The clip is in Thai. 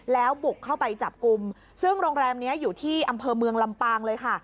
แล้วบุกเข้าไปจับกลุ่มซึ่งโรงแรมนี้อยู่ที่อำเภอเมืองลำปางเลยค่ะ